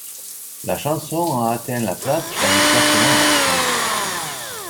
La chanson a atteint la place dans les classements en France.